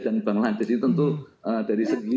dan bangladesh jadi tentu dari segi